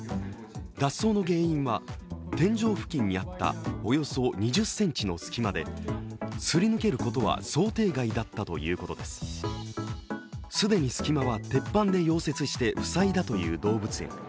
脱走の原因は天井付近にあったおよそ２０ｃｍの隙間ですり抜けることは想定外だったということです既に隙間は鉄板で溶接して塞いだという動物園